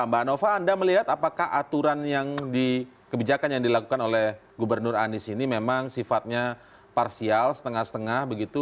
mbak nova anda melihat apakah aturan yang di kebijakan yang dilakukan oleh gubernur anies ini memang sifatnya parsial setengah setengah begitu